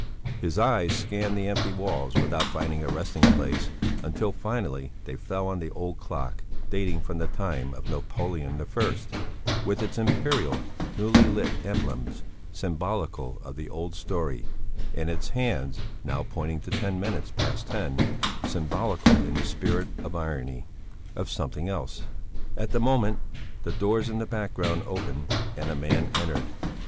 His eyes scanned the empty walls without finding a resting place, until finally they fell on the old clock, dating from the time of Napoleon I, with its imperial newly lit emblems, symbolical of the old story, and its hands, now pointing to ten minutes past ten, symbolical in the spirit of irony of something else. At the same moment the doors in the background opened and a man entered.